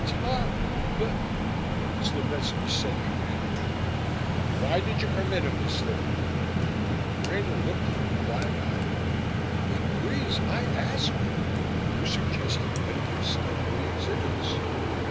"Tom! But " Slovetski said commandingly, "Why did you permit him his liberty?" Rena looked at him wide eyed. "But, please, I asked you. You suggested letting him study the exhibits."